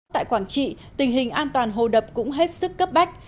tại quảng trị tình hình an toàn hồ đập cũng hết sức cấp bách